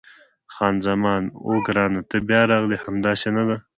خان زمان: اوه، ګرانه ته بیا راغلې! همداسې نه ده؟